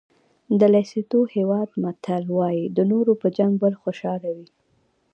د لېسوتو هېواد متل وایي د نورو په جنګ بل خوشحاله وي.